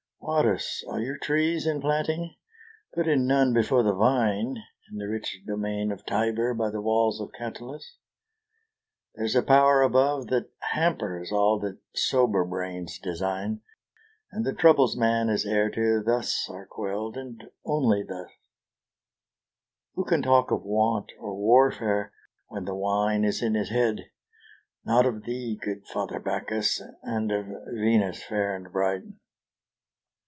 Varus, are your trees in planting? put in none before the vine, In the rich domain of Tibur, by the walls of Catilus; There's a power above that hampers all that sober brains design, And the troubles man is heir to thus are quell'd, and only thus. Who can talk of want or warfare when the wine is in his head, Not of thee, good father Bacchus, and of Venus fair and bright?